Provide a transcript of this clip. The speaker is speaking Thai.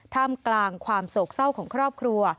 ท่ามกลางความโศกเศร้าของครอบครัว